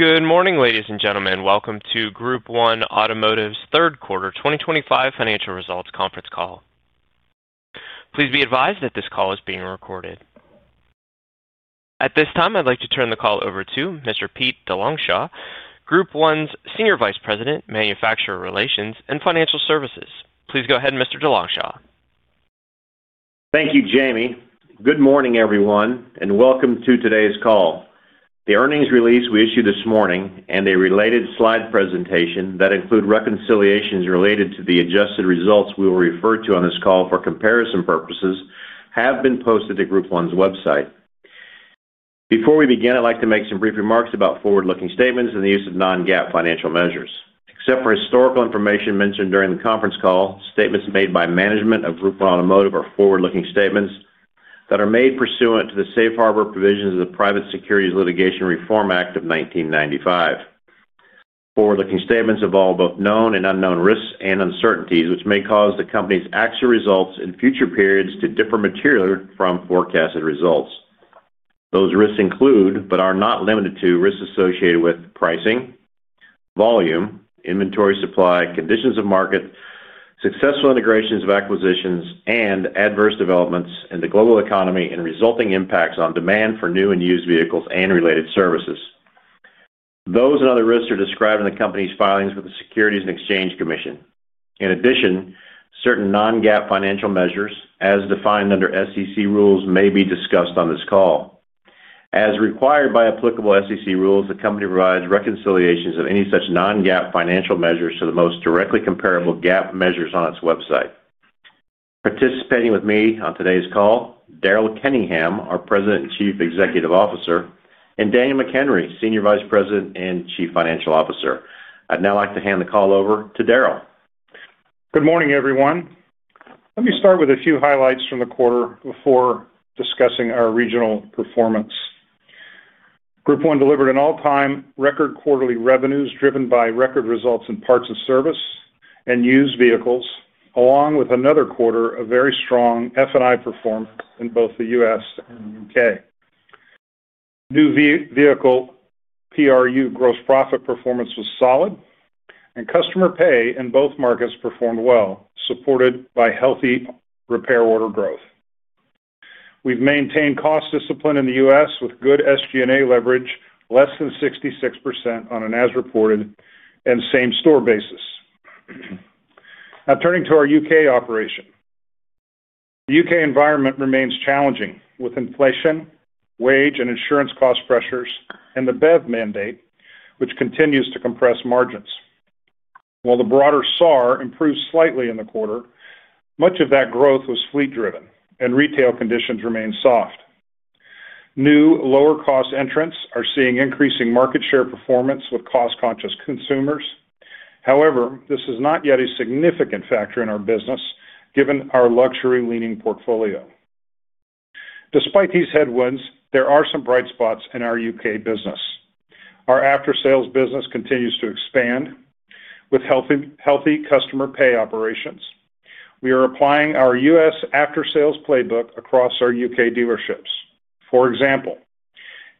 Good morning, ladies and gentlemen. Welcome to Group 1 Automotive's third quarter 2025 financial results conference call. Please be advised that this call is being recorded. At this time, I'd like to turn the call over to Mr. Pete DeLongchamps, Group 1's Senior Vice President, Manufacturer Relations and Financial Services. Please go ahead, Mr. DeLongchamps. Thank you, Jamie. Good morning, everyone, and welcome to today's call. The earnings release we issued this morning and a related slide presentation that includes reconciliations related to the adjusted results we will refer to on this call for comparison purposes have been posted to Group 1 Automotive's website. Before we begin, I'd like to make some brief remarks about forward-looking statements and the use of non-GAAP financial measures. Except for historical information mentioned during the conference call, statements made by management of Group 1 Automotive are forward-looking statements that are made pursuant to the Safe Harbor provisions of the Private Securities Litigation Reform Act of 1995. Forward-looking statements involve both known and unknown risks and uncertainties, which may cause the company's actual results in future periods to differ materially from forecasted results. Those risks include, but are not limited to, risks associated with pricing, volume, inventory supply, conditions of market, successful integrations of acquisitions, and adverse developments in the global economy and resulting impacts on demand for new and used vehicles and related services. Those and other risks are described in the company's filings with the Securities and Exchange Commission. In addition, certain non-GAAP financial measures, as defined under SEC rules, may be discussed on this call. As required by applicable SEC rules, the company provides reconciliations of any such non-GAAP financial measures to the most directly comparable GAAP measures on its website. Participating with me on today's call are Daryl Kenningham, our President and Chief Executive Officer, and Daniel McHenry, Senior Vice President and Chief Financial Officer. I'd now like to hand the call over to Daryl. Good morning, everyone. Let me start with a few highlights from the quarter before discussing our regional performance. Group 1 delivered an all-time record quarterly revenues driven by record results in parts and service and used vehicles, along with another quarter of very strong F&I performance in both the U.S. and the U.K. New vehicle PRU gross profit performance was solid, and customer pay in both markets performed well, supported by healthy repair order growth. We've maintained cost discipline in the U.S. with good SG&A leverage, less than 66% on an as-reported and same-store basis. Now, turning to our U.K. operation, the U.K environment remains challenging with inflation, wage, and insurance cost pressures, and the BEV mandate, which continues to compress margins. While the broader SAR improved slightly in the quarter, much of that growth was fleet-driven, and retail conditions remain soft. New lower-cost entrants are seeing increasing market share performance with cost-conscious consumers. However, this is not yet a significant factor in our business, given our luxury-leaning portfolio. Despite these headwinds, there are some bright spots in our U.K. business. Our after-sales business continues to expand with healthy customer pay operations. We are applying our U.S. after-sales playbook across our U.K. dealerships. For example,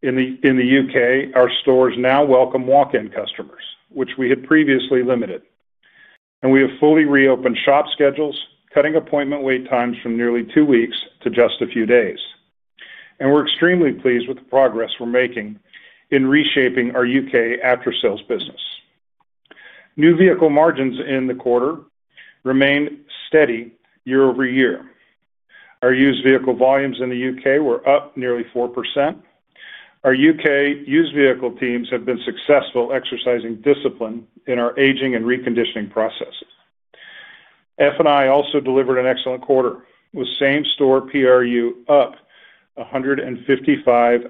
in the U.K., our stores now welcome walk-in customers, which we had previously limited. We have fully reopened shop schedules, cutting appointment wait times from nearly two weeks to just a few days. We're extremely pleased with the progress we're making in reshaping our U.K. after-sales business. New vehicle margins in the quarter remained steady year-over-year. Our used vehicle volumes in the U.K. were up nearly 4%. Our U.K. used vehicle teams have been successful exercising discipline in our aging and reconditioning processes. F&I also delivered an excellent quarter, with same-store PRU up $155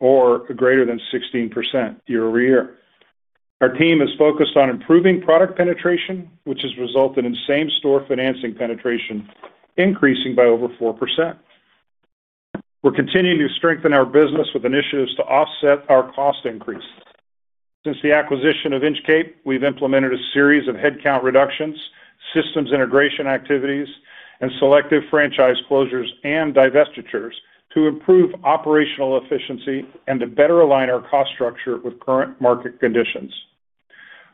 or greater than 16% year-over-year. Our team is focused on improving product penetration, which has resulted in same-store financing penetration increasing by over 4%. We're continuing to strengthen our business with initiatives to offset our cost increase. Since the acquisition of Inchcape, we've implemented a series of headcount reductions, systems integration activities, and selective franchise closures and divestitures to improve operational efficiency and to better align our cost structure with current market conditions.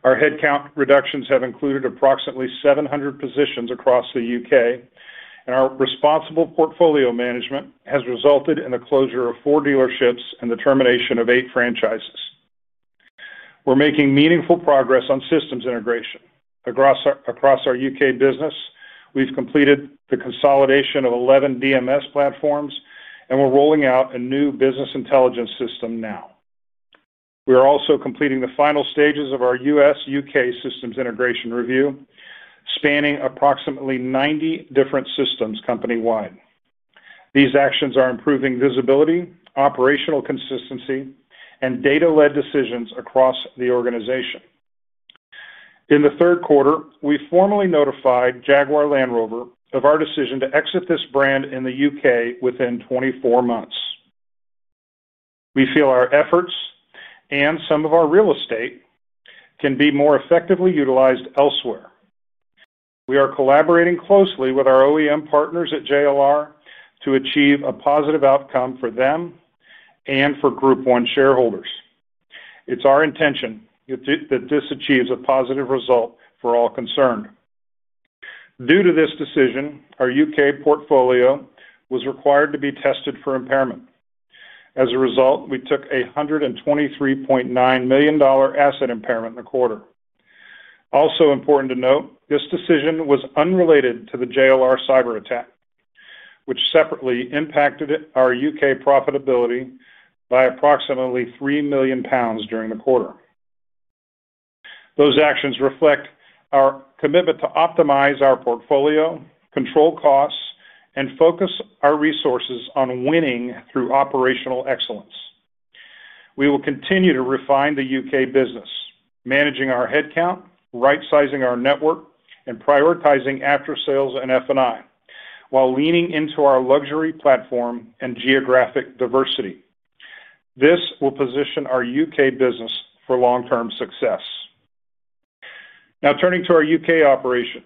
Our headcount reductions have included approximately 700 positions across the U.K., and our responsible portfolio management has resulted in the closure of four dealerships and the termination of eight franchises. We're making meaningful progress on systems integration. Across our U.K. business, we've completed the consolidation of 11 DMS platforms, and we're rolling out a new business intelligence system now. We are also completing the final stages of our U.S.-U.K. systems integration review, spanning approximately 90 different systems company-wide. These actions are improving visibility, operational consistency, and data-led decisions across the organization. In the third quarter, we formally notified Jaguar Land Rover of our decision to exit this brand in the U.K. within 24 months. We feel our efforts and some of our real estate can be more effectively utilized elsewhere. We are collaborating closely with our OEM partners at JLR to achieve a positive outcome for them and for Group 1 shareholders. It's our intention that this achieves a positive result for all concerned. Due to this decision, our U.K. portfolio was required to be tested for impairment. As a result, we took a $123.9 million asset impairment in the quarter. Also important to note, this decision was unrelated to the JLR cyber attack, which separately impacted our U.K. profitability by approximately 3 million pounds during the quarter. Those actions reflect our commitment to optimize our portfolio, control costs, and focus our resources on winning through operational excellence. We will continue to refine the U.K. business, managing our headcount, right-sizing our network, and prioritizing after-sales and F&I while leaning into our luxury platform and geographic diversity. This will position our U.K. business for long-term success. Now, turning to our U.K. operation,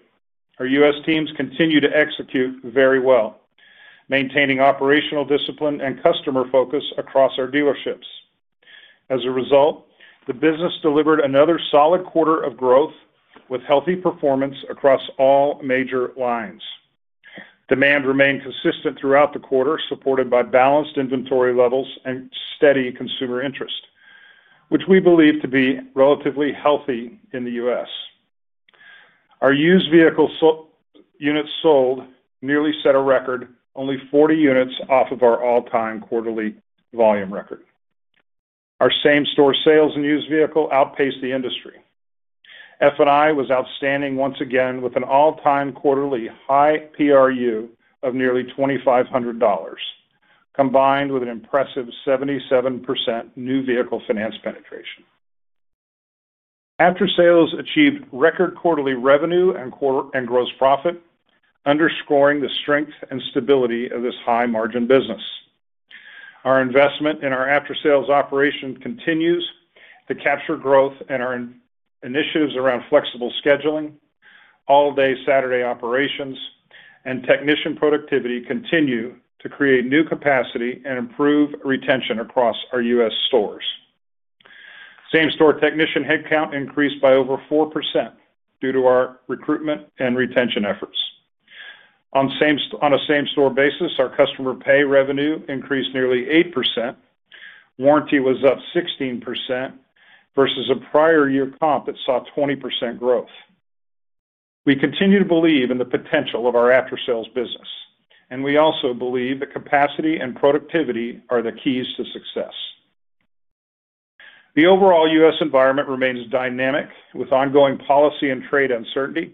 our U.S. teams continue to execute very well, maintaining operational discipline and customer focus across our dealerships. As a result, the business delivered another solid quarter of growth with healthy performance across all major lines. Demand remained consistent throughout the quarter, supported by balanced inventory levels and steady consumer interest, which we believe to be relatively healthy in the U.S. Our used vehicle units sold nearly set a record, only 40 units off of our all-time quarterly volume record. Our same-store sales in used vehicles outpaced the industry. F&I was outstanding once again with an all-time quarterly high PRU of nearly $2,500, combined with an impressive 77% new vehicle finance penetration. After-sales achieved record quarterly revenue and gross profit, underscoring the strength and stability of this high-margin business. Our investment in our after-sales operation continues to capture growth, and our initiatives around flexible scheduling, all-day Saturday operations, and technician productivity continue to create new capacity and improve retention across our U.S. stores. Same-store technician headcount increased by over 4% due to our recruitment and retention efforts. On a same-store basis, our customer pay revenue increased nearly 8%. Warranty was up 16% versus a prior year comp that saw 20% growth. We continue to believe in the potential of our after-sales business, and we also believe that capacity and productivity are the keys to success. The overall U.S. environment remains dynamic with ongoing policy and trade uncertainty.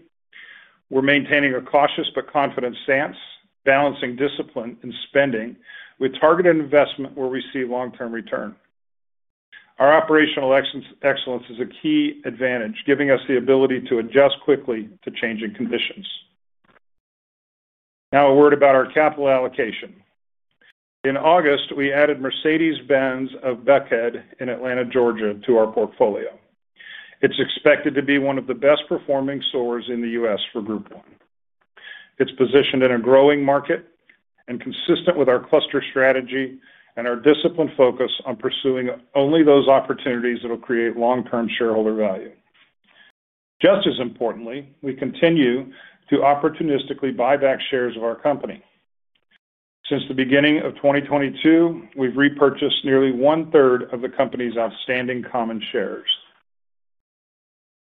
We're maintaining a cautious but confident stance, balancing discipline and spending with targeted investment where we see long-term return. Our operational excellence is a key advantage, giving us the ability to adjust quickly to changing conditions. Now, a word about our capital allocation. In August, we added Mercedes-Benz of Buckhead in Atlanta, Georgia, to our portfolio. It's expected to be one of the best-performing stores in the U.S. for Group 1. It's positioned in a growing market and consistent with our cluster strategy and our disciplined focus on pursuing only those opportunities that will create long-term shareholder value. Just as importantly, we continue to opportunistically buy back shares of our company. Since the beginning of 2022, we've repurchased nearly one-third of the company's outstanding common shares.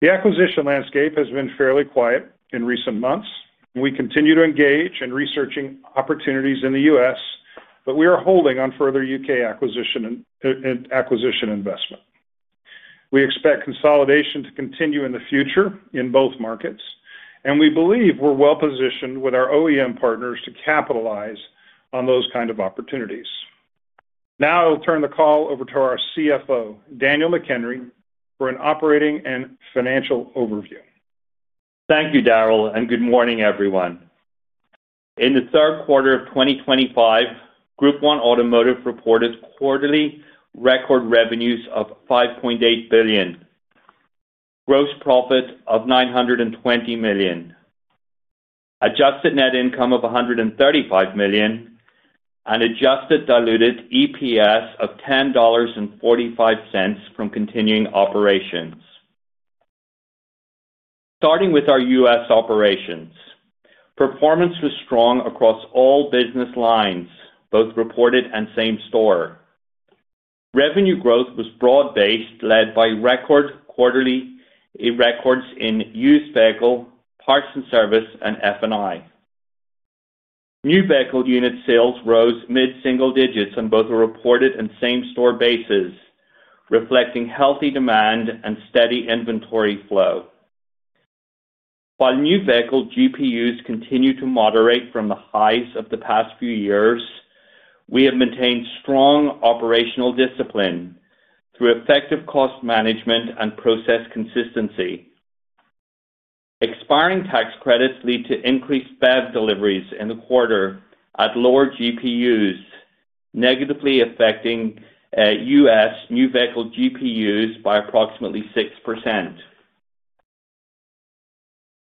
The acquisition landscape has been fairly quiet in recent months, and we continue to engage in researching opportunities in the U.S., but we are holding on further U.K. acquisition investment. We expect consolidation to continue in the future in both markets, and we believe we're well-positioned with our OEM partners to capitalize on those kinds of opportunities. Now, I'll turn the call over to our CFO, Daniel McHenry, for an operating and financial overview. Thank you, Daryl, and good morning, everyone. In the third quarter of 2025, Group 1 Automotive reported quarterly record revenues of $5.8 billion, gross profit of $920 million, adjusted net income of $135 million, and adjusted diluted EPS of $10.45 from continuing operations. Starting with our U.S. operations, performance was strong across all business lines, both reported and same-store. Revenue growth was broad-based, led by record quarterly records in used vehicles, parts and service, and F&I. New vehicle unit sales rose mid-single digits on both the reported and same-store basis, reflecting healthy demand and steady inventory flow. While new vehicle GPUs continue to moderate from the highs of the past few years, we have maintained strong operational discipline through effective cost management and process consistency. Expiring tax credits lead to increased BEV deliveries in the quarter at lower GPUs, negatively affecting U.S. new vehicle GPUs by approximately 6%.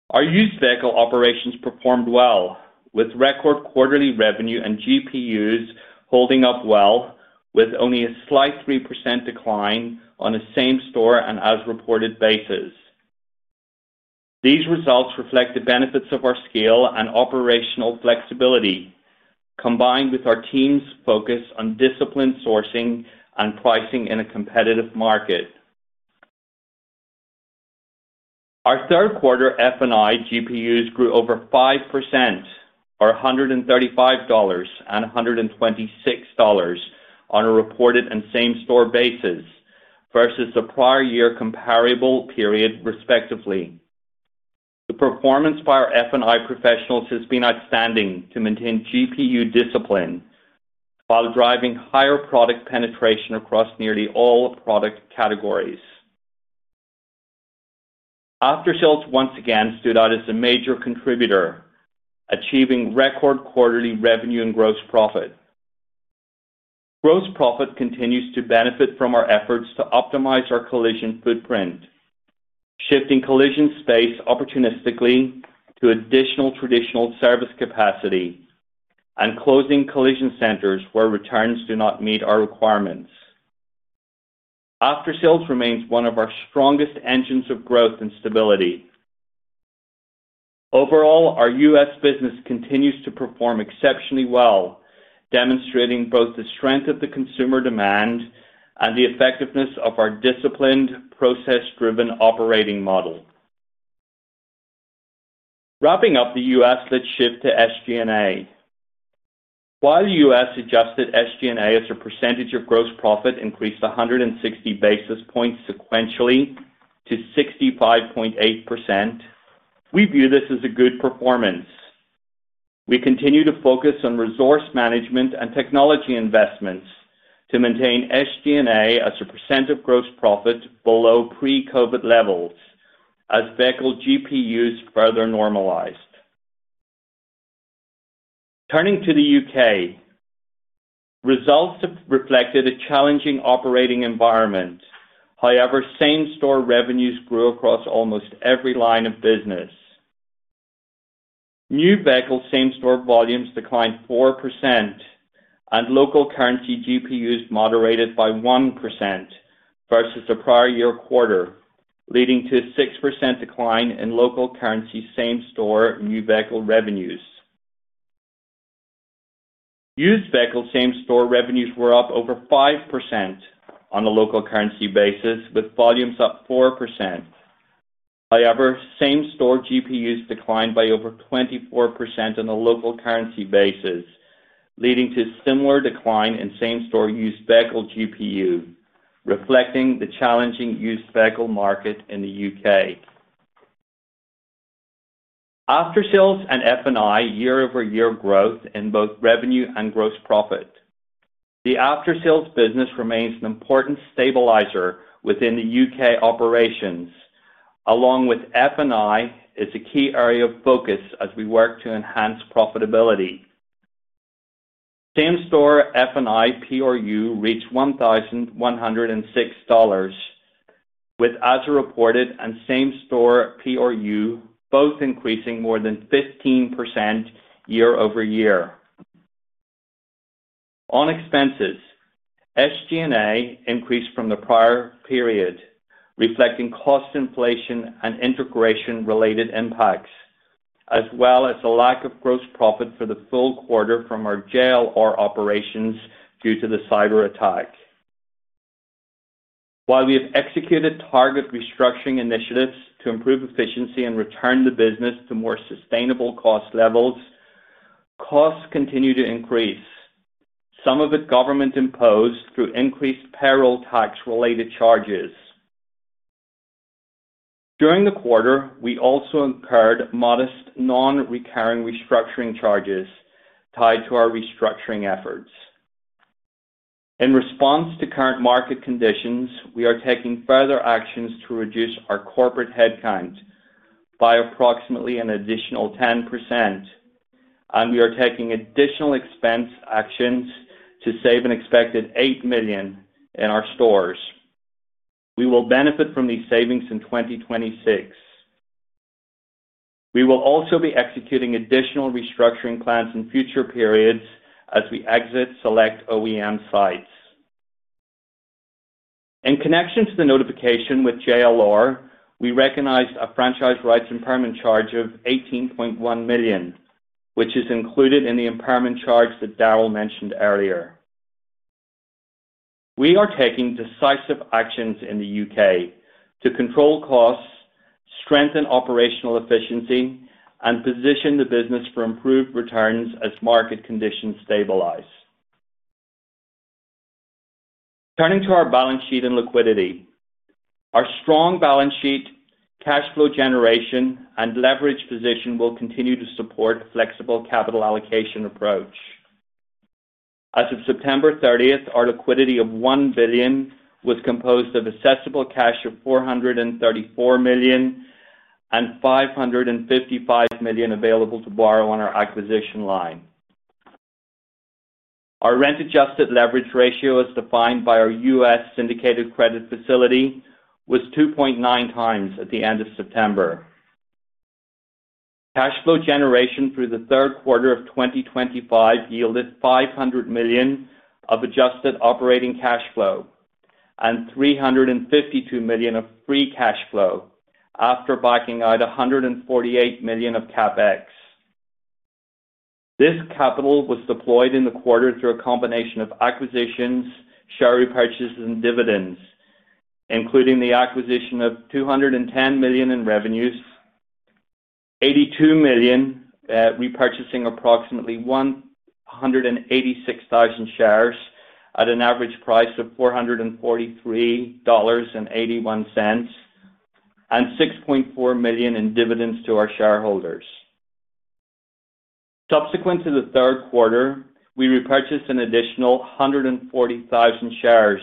Our used vehicle operations performed well, with record quarterly revenue and GPUs holding up well, with only a slight 3% decline on a same-store and as-reported basis. These results reflect the benefits of our scale and operational flexibility, combined with our team's focus on disciplined sourcing and pricing in a competitive market. Our third quarter F&I GPUs grew over 5%, or $135 and $126 on a reported and same-store basis versus the prior year comparable period, respectively. The performance by our F&I professionals has been outstanding to maintain GPU discipline while driving higher product penetration across nearly all product categories. After-sales once again stood out as a major contributor, achieving record quarterly revenue and gross profit. Gross profit continues to benefit from our efforts to optimize our collision footprint, shifting collision space opportunistically to additional traditional service capacity and closing collision centers where returns do not meet our requirements. After-sales remains one of our strongest engines of growth and stability. Overall, our U.S. business continues to perform exceptionally well, demonstrating both the strength of the consumer demand and the effectiveness of our disciplined, process-driven operating model. Wrapping up the U.S., let's shift to SG&A. While the U.S. adjusted SG&A as a percentage of gross profit increased 160 basis points sequentially to 65.8%, we view this as a good performance. We continue to focus on resource management and technology investments to maintain SG&A as a percentage of gross profit below pre-COVID levels as vehicle GPUs further normalized. Turning to the U.K., results have reflected a challenging operating environment. However, same-store revenues grew across almost every line of business. New vehicle same-store volumes declined 4% and local currency GPUs moderated by 1% versus the prior year quarter, leading to a 6% decline in local currency same-store new vehicle revenues. Used vehicle same-store revenues were up over 5% on a local currency basis, with volumes up 4%. However, same-store GPUs declined by over 24% on a local currency basis, leading to a similar decline in same-store used vehicle GPU, reflecting the challenging used vehicle market in the U.K. After-sales and F&I year-over-year growth in both revenue and gross profit. The after-sales business remains an important stabilizer within the U.K. operations, along with F&I as a key area of focus as we work to enhance profitability. Same-store F&I PRU reached $1,106, with as reported and same-store PRU both increasing more than 15% year-over-year. On expenses, SG&A increased from the prior period, reflecting cost inflation and integration-related impacts, as well as a lack of gross profit for the full quarter from our JLR operations due to the cyber attack. While we have executed target restructuring initiatives to improve efficiency and return the business to more sustainable cost levels, costs continue to increase, some of it government-imposed through increased payroll tax-related charges. During the quarter, we also incurred modest non-recurring restructuring charges tied to our restructuring efforts. In response to current market conditions, we are taking further actions to reduce our corporate headcount by approximately an additional 10%, and we are taking additional expense actions to save an expected $8 million in our stores. We will benefit from these savings in 2026. We will also be executing additional restructuring plans in future periods as we exit select OEM sites. In connection to the notification with JLR, we recognized a franchise rights impairment charge of $18.1 million, which is included in the impairment charge that Daryl mentioned earlier. We are taking decisive actions in the U.K. to control costs, strengthen operational efficiency, and position the business for improved returns as market conditions stabilize. Turning to our balance sheet and liquidity, our strong balance sheet, cash flow generation, and leverage position will continue to support a flexible capital allocation approach. As of September 30th, our liquidity of $1 billion was composed of accessible cash of $434 million and $555 million available to borrow on our acquisition line. Our rent-adjusted leverage ratio, as defined by our U.S. syndicated credit facility, was 2.9x at the end of September. Cash flow generation through the third quarter of 2025 yielded $500 million of adjusted operating cash flow and $352 million of free cash flow after biking out $148 million of CapEx. This capital was deployed in the quarter through a combination of acquisitions, share repurchases, and dividends, including the acquisition of $210 million in revenues, $82 million repurchasing approximately 186,000 shares at an average price of $443.81, and $6.4 million in dividends to our shareholders. Subsequent to the third quarter, we repurchased an additional 140,000 shares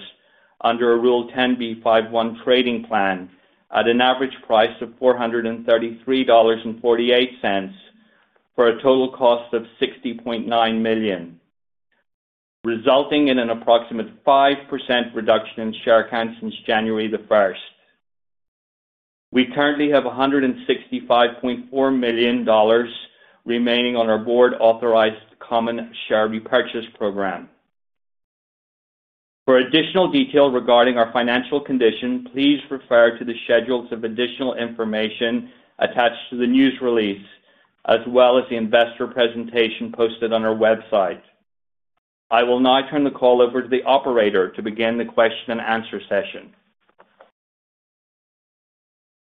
under a Rule 10b5-1 trading plan at an average price of $433.48 for a total cost of $60.9 million, resulting in an approximate 5% reduction in share counts since January 1st. We currently have $165.4 million remaining on our board-authorized common share repurchase program. For additional detail regarding our financial condition, please refer to the schedules of additional information attached to the news release, as well as the investor presentation posted on our website. I will now turn the call over to the operator to begin the question and answer session.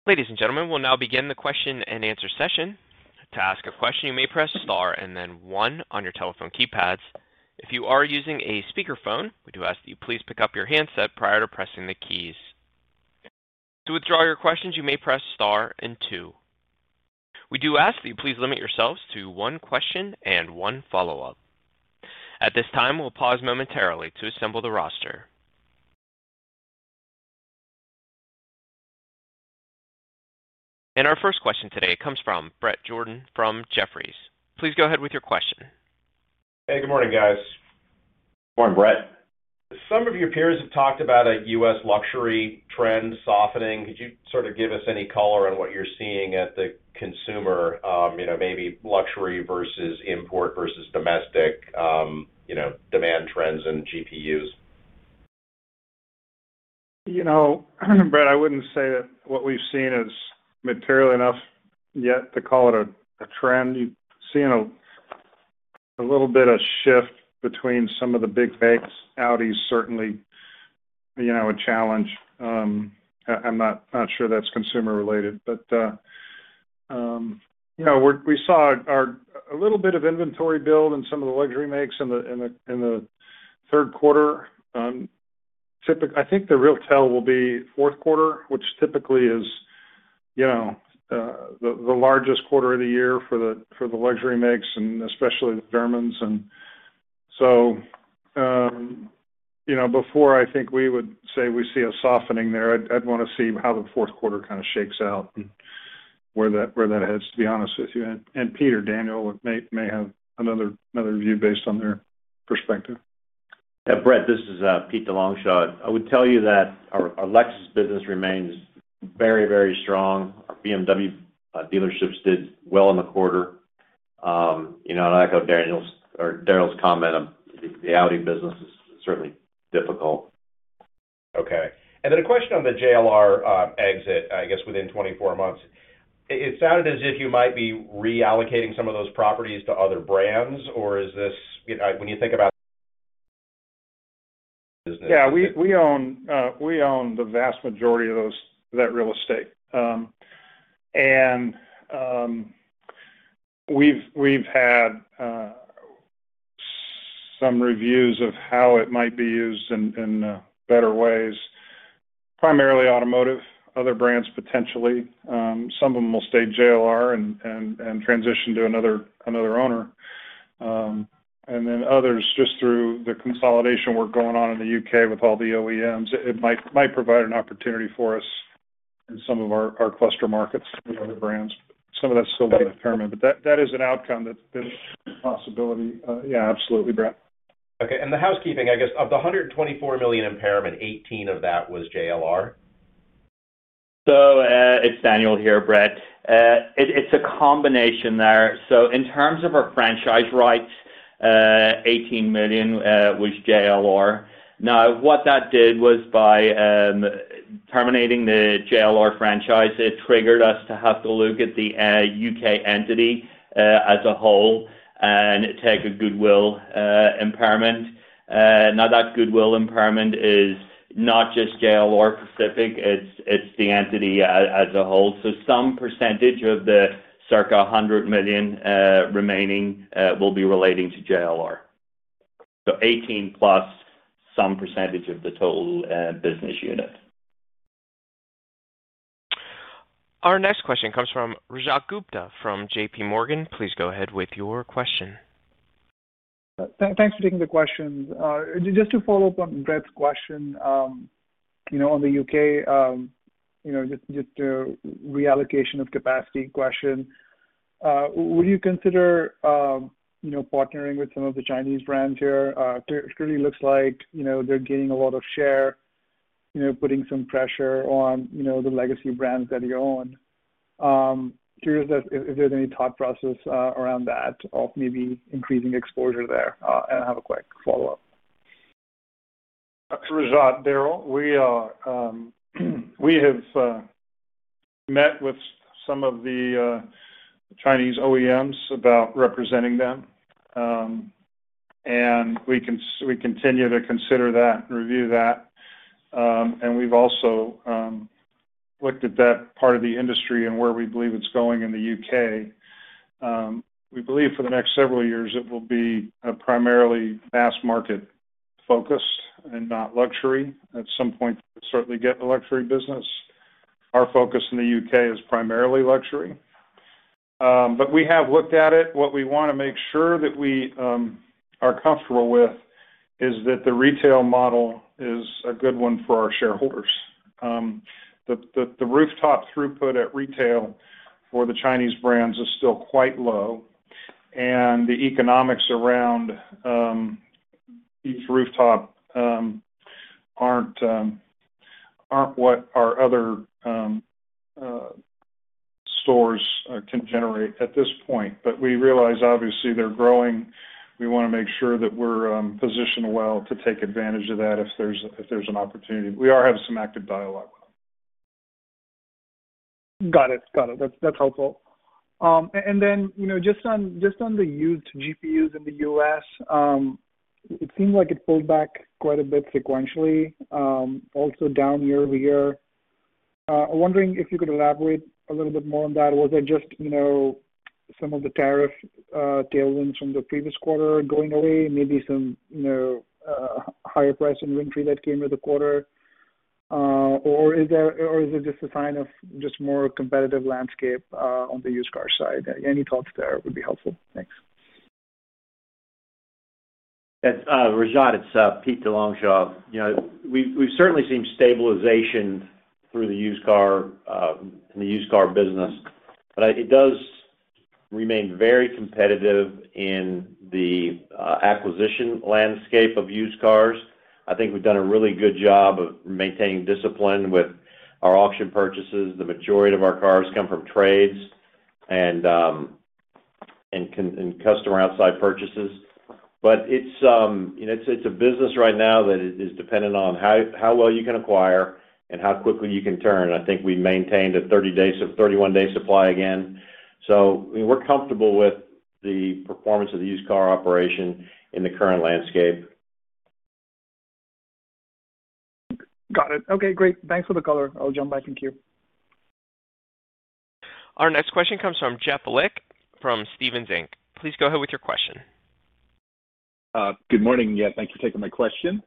Ladies and gentlemen, we'll now begin the question-and-answer session. To ask a question, you may press star and then one on your telephone keypads. If you are using a speakerphone, we do ask that you please pick up your handset prior to pressing the keys. To withdraw your questions, you may press star and two. We do ask that you please limit yourselves to one question and one follow-up. At this time, we'll pause momentarily to assemble the roster. Our first question today comes from Bret Jordan from Jefferies. Please go ahead with your question. Hey, good morning, guys. Morning, Brett. Some of your peers have talked about a U.S. luxury trend softening. Could you sort of give us any color on what you're seeing at the consumer, maybe luxury versus import versus domestic demand trends in GPUs? Bret, I wouldn't say that what we've seen is material enough yet to call it a trend. You've seen a little bit of a shift between some of the big banks. Audi is certainly, you know, a challenge. I'm not sure that's consumer-related, but we saw a little bit of inventory build in some of the luxury makes in the third quarter. I think the real tell will be the fourth quarter, which typically is the largest quarter of the year for the luxury makes and especially the Germans. Before I think we would say we see a softening there, I'd want to see how the fourth quarter kind of shakes out and where that heads, to be honest with you. Pete, Daniel may have another view based on their perspective. Yeah, Bret, this is Pete DeLongchamps. I would tell you that our Lexus business remains very, very strong. Our BMW dealerships did well in the quarter. I echo Daryl's comment. The Audi business is certainly difficult. Okay. A question on the JLR exit, I guess, within 24 months. It sounded as if you might be reallocating some of those properties to other brands, or is this, you know, when you think about the business? Yeah, we own the vast majority of that real estate. We've had some reviews of how it might be used in better ways, primarily automotive, other brands potentially. Some of them will stay JLR and transition to another owner. Others, just through the consolidation work going on in the U.K. with all the OEMs, might provide an opportunity for us in some of our cluster markets and other brands. Some of that's still being determined. That is an outcome that's a possibility. Yeah, absolutely, Bret. Okay. The housekeeping, I guess, of the $124 million impairment, $18 million of that was JLR? It's Daniel here, Bret. It's a combination there. In terms of our franchise rights, $18 million was JLR. What that did was by terminating the JLR franchise, it triggered us to have to look at the U.K. entity as a whole and take a goodwill impairment. That goodwill impairment is not just JLR specific. It's the entity as a whole. Some percentage of the circa $100 million remaining will be relating to JLR. So $18 million plus some percentage of the total business unit. Our next question comes from Rajat Gupta from JPMorgan. Please go ahead with your question. Thanks for taking the questions. Just to follow up on Bret's question, on the U.K., the reallocation of capacity question, would you consider partnering with some of the Chinese brands here? Clearly, it looks like they're gaining a lot of share, putting some pressure on the legacy brands that you own. Curious if there's any thought process around that of maybe increasing exposure there. I have a quick follow-up. Rajat, Daryl, we have met with some of the Chinese OEMs about representing them. We continue to consider that and review that. We've also looked at that part of the industry and where we believe it's going in the U.K. We believe for the next several years, it will be primarily mass-market focused and not luxury. At some point, we'll certainly get a luxury business. Our focus in the U.K. is primarily luxury. We have looked at it. What we want to make sure that we are comfortable with is that the retail model is a good one for our shareholders. The rooftop throughput at retail for the Chinese brands is still quite low. The economics around these rooftops aren't what our other stores can generate at this point. We realize, obviously, they're growing. We want to make sure that we're positioned well to take advantage of that if there's an opportunity. We are having some active dialogue with them. Got it. That's helpful. On the used GPUs in the U.S., it seemed like it pulled back quite a bit sequentially, also down year-over year. I'm wondering if you could elaborate a little bit more on that. Was it just some of the tariff tailwinds from the previous quarter going away, maybe some higher price in winter that came with the quarter? Or is it just a sign of a more competitive landscape on the used car side? Any thoughts there would be helpful. Thanks. Rajat, it's Pete DeLongchamps. We've certainly seen stabilization in the used car business, but it does remain very competitive in the acquisition landscape of used cars. I think we've done a really good job of maintaining discipline with our auction purchases. The majority of our cars come from trades and customer outside purchases. It's a business right now that is dependent on how well you can acquire and how quickly you can turn. I think we maintained a 30-day or 31-day supply again. We're comfortable with the performance of the used car operation in the current landscape. Got it. Okay, great. Thanks for the color. I'll jump back in here. Our next question comes from Jeff Lick from Stephens Inc. Please go ahead with your question. Good morning. Thanks for taking my question.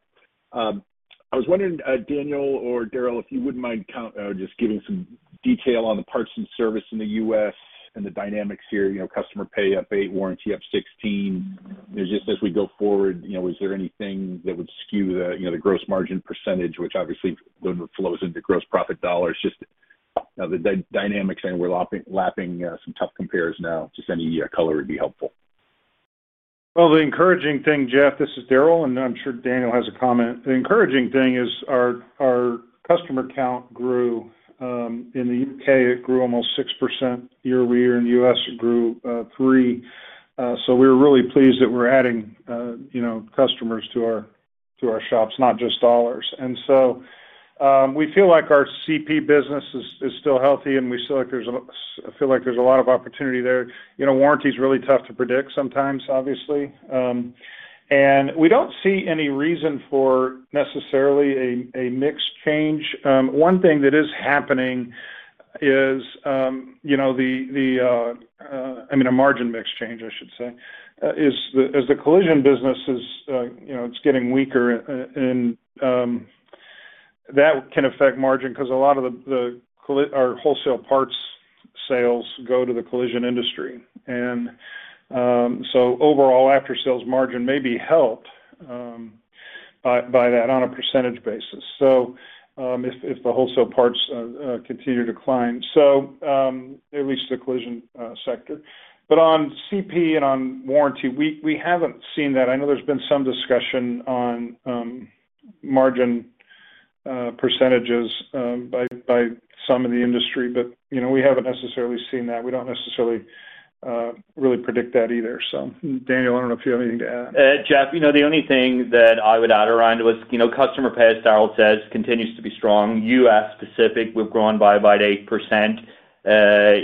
I was wondering, Daniel or Daryl, if you wouldn't mind just giving some detail on the parts and service in the U.S. and the dynamics here. You know, customer pay up 8%, warranty up 16%. Just as we go forward, is there anything that would skew the gross margin percentage, which obviously flows into gross profit dollars? The dynamics, and we're lapping some tough comparison now. Any color would be helpful. The encouraging thing, Jeff, this is Daryl, and I'm sure Daniel has a comment. The encouraging thing is our customer count grew. In the U.K., it grew almost 6% year-over-year. In the U.S., it grew 3%. We were really pleased that we're adding, you know, customers to our shops, not just dollars. We feel like our CP business is still healthy, and we feel like there's a lot of opportunity there. Warranty is really tough to predict sometimes, obviously. We don't see any reason for necessarily a mix change. One thing that is happening is, you know, a margin mix change, I should say, is the collision business is getting weaker, and that can affect margin because a lot of our wholesale parts sales go to the collision industry. Overall, after-sales margin may be helped by that on a percentage basis if the wholesale parts continue to decline, at least in the collision sector. On CP and on warranty, we haven't seen that. I know there's been some discussion on margin percentages by some in the industry, but we haven't necessarily seen that. We don't necessarily really predict that either. Daniel, I don't know if you have anything to add. Jeff, the only thing that I would add around was, you know, customer pay, as Daryl says, continues to be strong. U.S. specific, we've grown by about 8%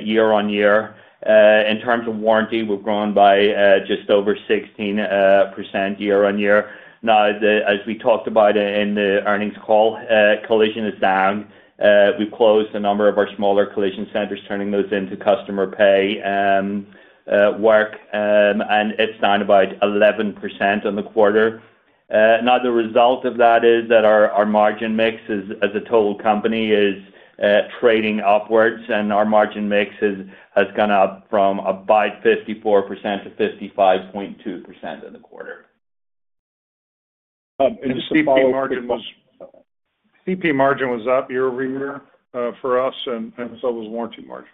year on year. In terms of warranty, we've grown by just over 16% year on year. As we talked about in the earnings call, collision is down. We've closed a number of our smaller collision centers, turning those into customer pay work, and it's down about 11% on the quarter. The result of that is that our margin mix as a total company is trading upwards, and our margin mix has gone up from about 54%-55.2% in the quarter. CP margin was up year-over-year for us, and so was warranty margin.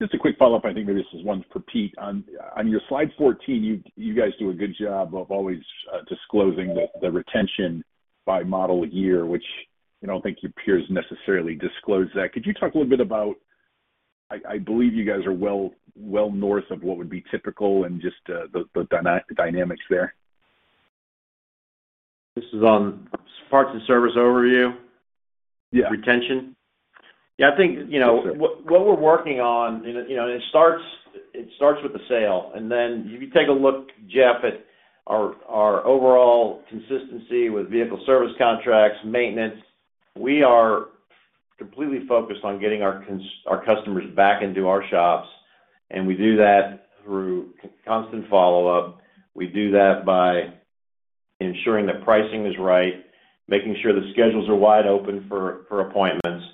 Just a quick follow-up. I think maybe this is one for Pete. On your slide 14, you guys do a good job of always disclosing the retention by model year, which I don't think your peers necessarily disclose. Could you talk a little bit about, I believe you guys are well north of what would be typical and just the dynamics there? This is on parts and service overview? Yeah. Retention? I think what we're working on starts with the sale. If you take a look, Jeff, at our overall consistency with vehicle service contracts and maintenance, we are completely focused on getting our customers back into our shops. We do that through constant follow-up and by ensuring that pricing is right, making sure the schedules are wide open for appointments.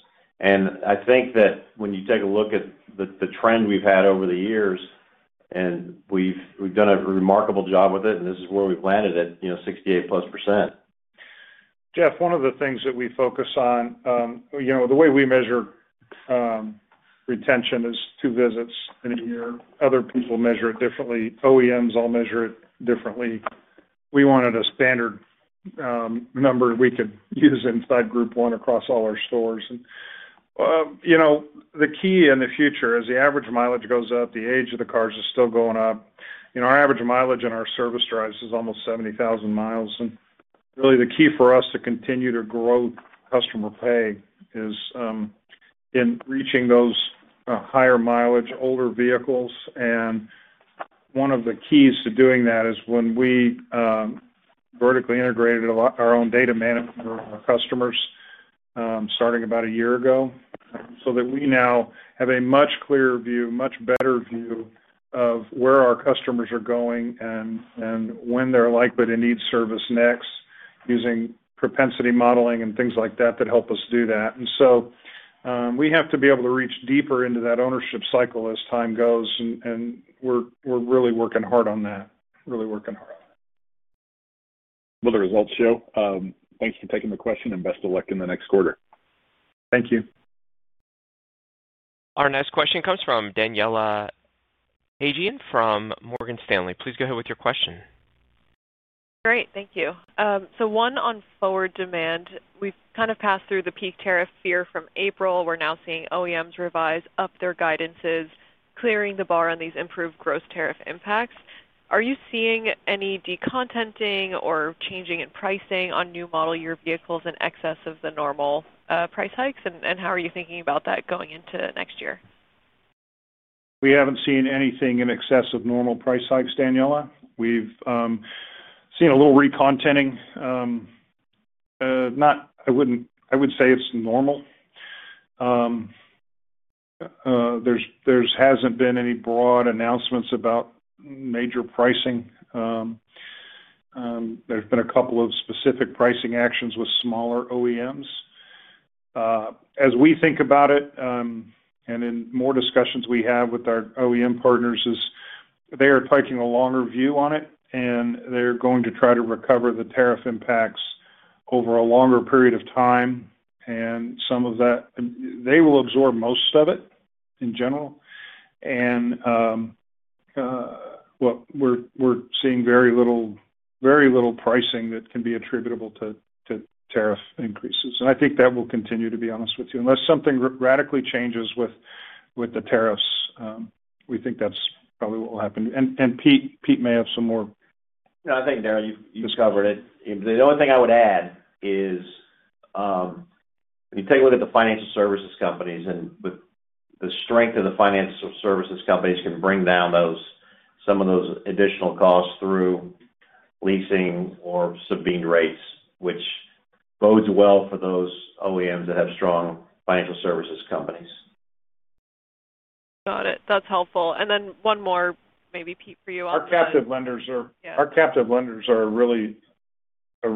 I think that when you take a look at the trend we've had over the years, we've done a remarkable job with it, and this is where we've landed at 68%+. Jeff, one of the things that we focus on, you know, the way we measure retention is two visits in a year. Other people measure it differently. OEMs all measure it differently. We wanted a standard number we could use inside Group 1 Automotive across all our stores. The key in the future is the average mileage goes up. The age of the cars is still going up. Our average mileage in our service drives is almost 70,000 mi. Really, the key for us to continue to grow customer pay is in reaching those higher mileage older vehicles. One of the keys to doing that is when we vertically integrated our own data management with our customers starting about a year ago so that we now have a much clearer view, much better view of where our customers are going and when they're likely to need service next using propensity modeling and things like that that help us do that. We have to be able to reach deeper into that ownership cycle as time goes. We're really working hard on that, really working hard on that. The results show. Thanks for taking the question and best of luck in the next quarter. Thank you. Our next question comes from Daniela Haigian from Morgan Stanley. Please go ahead with your question. Great. Thank you. One on forward demand. We've kind of passed through the peak tariff fear from April. We're now seeing OEMs revise up their guidances, clearing the bar on these improved gross tariff impacts. Are you seeing any decontenting or changing in pricing on new model year vehicles in excess of the normal price hikes? How are you thinking about that going into next year? We haven't seen anything in excess of normal price hikes, Daniela. We've seen a little recontenting. I wouldn't say it's normal. There hasn't been any broad announcements about major pricing. There have been a couple of specific pricing actions with smaller OEMs. As we think about it and in more discussions we have with our OEM partners, they are taking a longer view on it, and they're going to try to recover the tariff impacts over a longer period of time. Some of that, they will absorb most of it in general. We're seeing very little, very little pricing that can be attributable to tariff increases. I think that will continue, to be honest with you, unless something radically changes with the tariffs. We think that's probably what will happen. Pete may have some more. No, I think, Daryl, you've covered it. The only thing I would add is if you take a look at the financial services companies and with the strength of the financial services companies can bring down some of those additional costs through leasing or subvened rates, which bodes well for those OEMs that have strong financial services companies. Got it. That's helpful. One more, maybe Pete, for you also. Our captive lenders are really a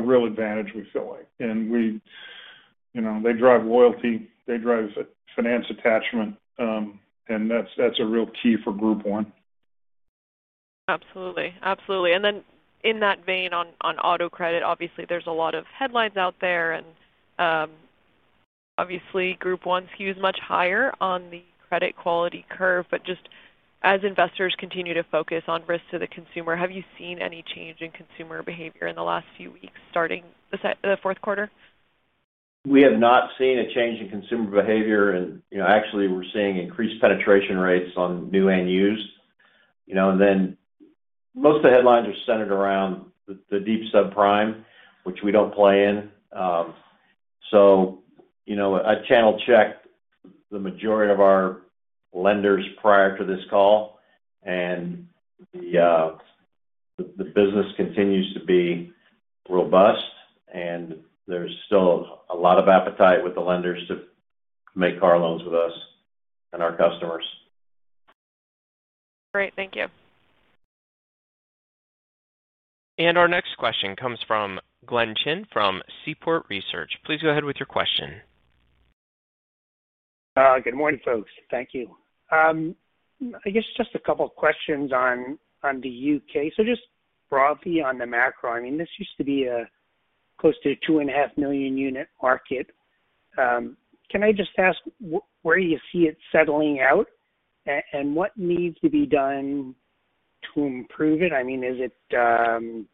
real advantage, we feel like. We, you know, they drive loyalty. They drive finance attachment, and that's a real key for Group 1. Absolutely. Absolutely. In that vein on auto credit, obviously, there's a lot of headlines out there. Obviously, Group 1 skews much higher on the credit quality curve. Just as investors continue to focus on risk to the consumer, have you seen any change in consumer behavior in the last few weeks, starting the fourth quarter? We have not seen a change in consumer behavior. Actually, we're seeing increased penetration rates on new and used. Most of the headlines are centered around the deep subprime, which we don't play in. I channel checked the majority of our lenders prior to this call, and the business continues to be robust. There's still a lot of appetite with the lenders to make car loans with us and our customers. Great. Thank you. Our next question comes from Glenn Chin from Seaport Research. Please go ahead with your question. Good morning, folks. Thank you. I guess just a couple of questions on the U.K. Just broadly on the macro, I mean, this used to be close to a 2.5 million unit market. Can I just ask where you see it settling out? What needs to be done to improve it? I mean, is it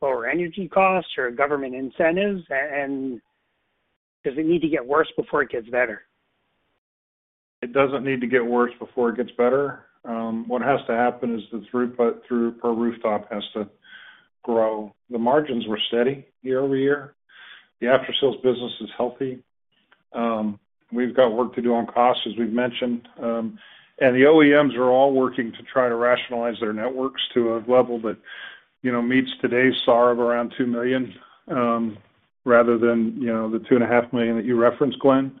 lower energy costs or government incentives? Does it need to get worse before it gets better? It doesn't need to get worse before it gets better. What has to happen is the throughput per rooftop has to grow. The margins were steady year-over-year. The after-sales business is healthy. We've got work to do on costs, as we've mentioned. The OEMs are all working to try to rationalize their networks to a level that meets today's SAR of around 2 million, rather than the 2.5 million that you referenced, Glenn.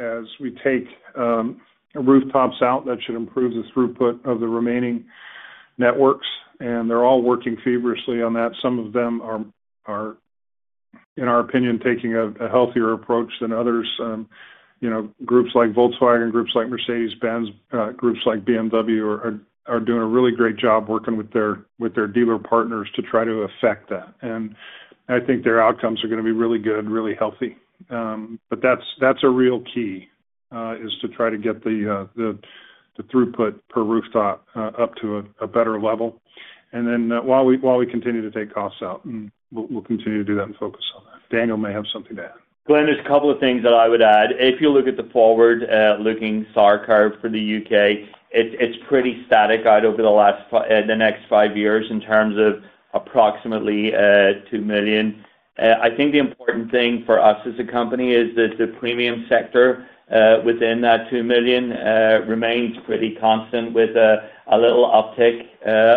As we take rooftops out, that should improve the throughput of the remaining networks. They're all working feverishly on that. Some of them are, in our opinion, taking a healthier approach than others. Groups like Volkswagen, groups like Mercedes-Benz, groups like BMW are doing a really great job working with their dealer partners to try to effect that. I think their outcomes are going to be really good, really healthy. That's a real key, to try to get the throughput per rooftop up to a better level. While we continue to take costs out, we'll continue to do that and focus on that. Daniel may have something to add. Glenn, there's a couple of things that I would add. If you look at the forward-looking SAR curve for the U.K., it's pretty static out over the next five years in terms of approximately 2 million. I think the important thing for us as a company is that the premium sector within that 2 million remains pretty constant with a little uptick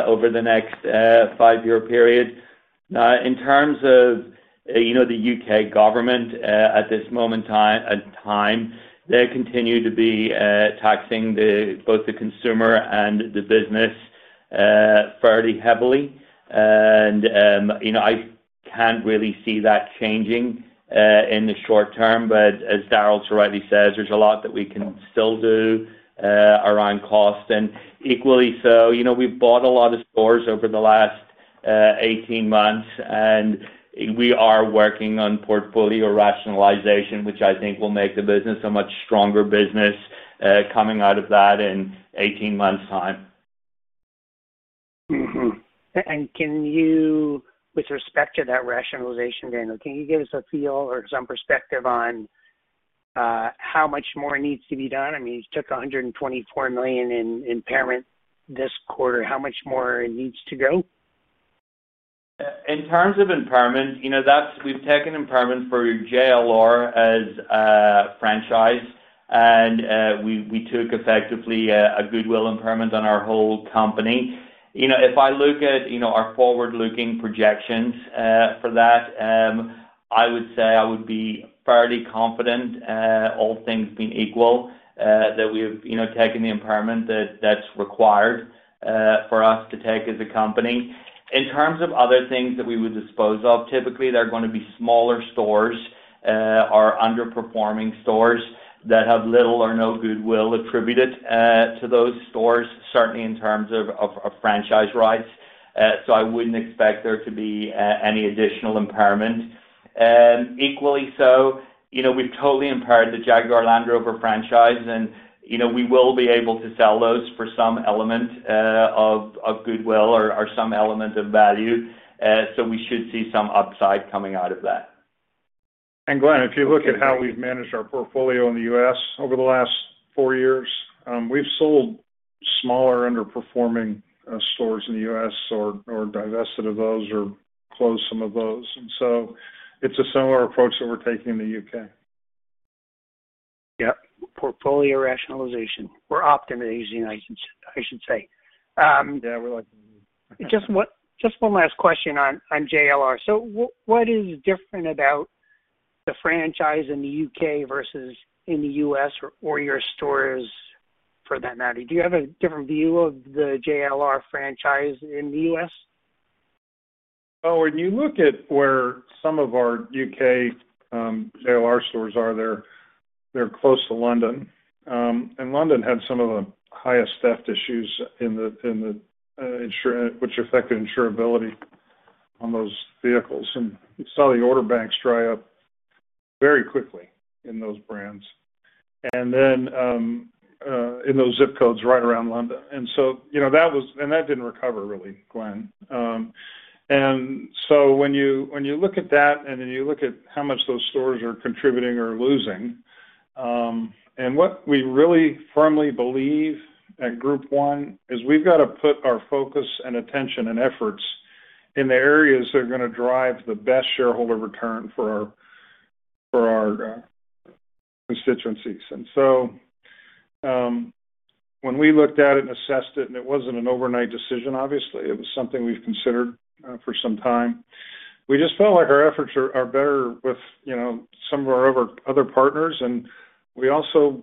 over the next five-year period. Now, in terms of the U.K. government, at this moment in time, they continue to be taxing both the consumer and the business fairly heavily. I can't really see that changing in the short term. As Daryl rightly says, there's a lot that we can still do around cost. Equally so, we bought a lot of stores over the last 18 months, and we are working on portfolio rationalization, which I think will make the business a much stronger business coming out of that in 18 months' time. With respect to that rationalization, Daniel, can you give us a feel or some perspective on how much more needs to be done? You took $124 million in impairment this quarter. How much more needs to go? In terms of impairment, we've taken impairment for your JLR as a franchise. We took effectively a goodwill impairment on our whole company. If I look at our forward-looking projections for that, I would say I would be fairly confident, all things being equal, that we have taken the impairment that's required for us to take as a company. In terms of other things that we would dispose of, typically, they're going to be smaller stores or underperforming stores that have little or no goodwill attributed to those stores, certainly in terms of franchise rights. I wouldn't expect there to be any additional impairment. Equally, we've totally impaired the Jaguar Land Rover franchise. We will be able to sell those for some element of goodwill or some element of value. We should see some upside coming out of that. Glenn, if you look at how we've managed our portfolio in the U.S. over the last four years, we've sold smaller underperforming stores in the U.S., or divested of those, or closed some of those. It's a similar approach that we're taking in the U.K. Yep. Portfolio optimization. We're optimizing, I should say. Yeah, we like to. Just one last question on JLR. What is different about the franchise in the U.K. versus in the U.S. or your stores for that matter? Do you have a different view of the JLR franchise in the US? When you look at where some of our U.K. JLR stores are, they're close to London, and London had some of the highest theft issues, which affected insurability on those vehicles. You saw the order banks dry up very quickly in those brands and in those zip codes right around London. That didn't recover, really, Glenn. When you look at that and then you look at how much those stores are contributing or losing, what we really firmly believe at Group 1 is we've got to put our focus and attention and efforts in the areas that are going to drive the best shareholder return for our constituencies. When we looked at it and assessed it, it wasn't an overnight decision, obviously. It was something we've considered for some time. We just felt like our efforts are better with some of our other partners. I also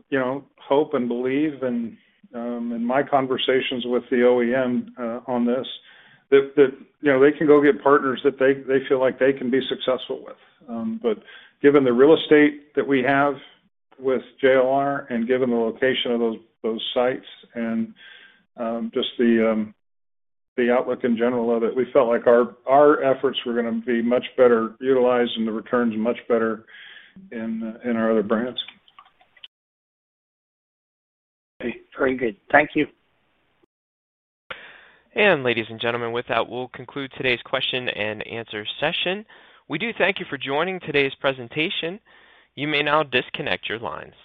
hope and believe in my conversations with the OEM on this that they can go get partners that they feel like they can be successful with. Given the real estate that we have with JLR and given the location of those sites and just the outlook in general of it, we felt like our efforts were going to be much better utilized and the returns much better in our other brands. Okay. Very good. Thank you. Ladies and gentlemen, with that, we'll conclude today's question-and-answer session. We do thank you for joining today's presentation. You may now disconnect your lines.